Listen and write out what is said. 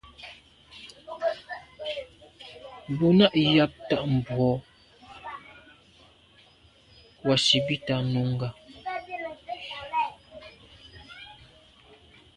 Bú nâ' yɑ́p tà' mbrò wàsìbìtǎ Nùnga.